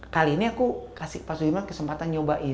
kali ini aku kasih pasugiman kesempatan nyobain